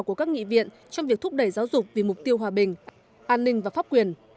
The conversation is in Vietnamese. của các nghị viện trong việc thúc đẩy giáo dục vì mục tiêu hòa bình an ninh và pháp quyền